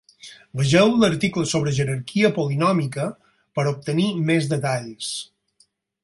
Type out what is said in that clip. Vegeu l'article sobre jerarquia polinòmica per obtenir més detalls.